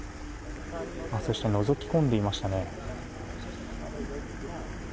そしてのぞき込んでいましたね。